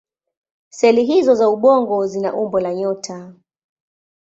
Seli hizO za ubongo zina umbo la nyota.